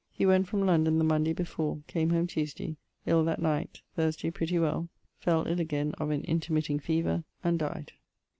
He went from London the Monday before; came home Tuesday; ill that night. Thursday pretty well. Fell ill again of an intermitting fever and died.